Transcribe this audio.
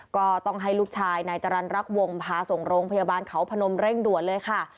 ก็ต้องให้ลูกชายนายจรรย์รักวงพาส่งโรงพยาบาลเขาพนมเร่งด่วนเลยค่ะ